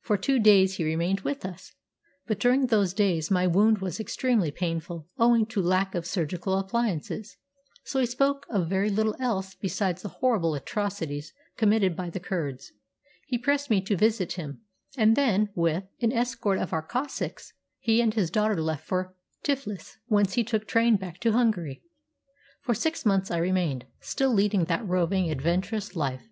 For two days he remained with us; but during those days my wound was extremely painful owing to lack of surgical appliances, so we spoke of very little else besides the horrible atrocities committed by the Kurds. He pressed me to visit him; and then, with an escort of our Cossacks, he and his daughter left for Tiflis; whence he took train back to Hungary. "For six months I remained, still leading that roving, adventurous life.